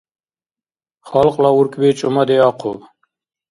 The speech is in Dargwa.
Халкьла уркӏби чӏумадиахъуб